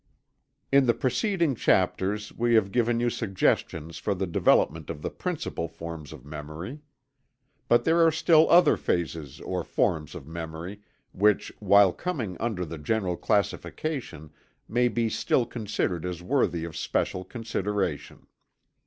In the preceding chapters we have given you suggestions for the development of the principal forms of memory. But there are still other phases or forms of memory, which while coming under the general classification may be still considered as worthy of special consideration.